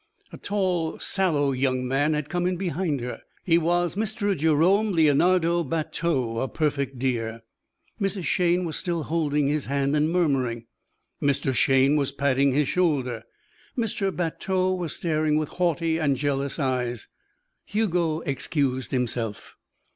A tall, sallow young man had come in behind her; he was Mr. Jerome Leonardo Bateau, a perfect dear. Mrs. Shayne was still holding his hand and murmuring; Mr. Shayne was patting his shoulder; Mr. Bateau was staring with haughty and jealous eyes. Hugo excused himself.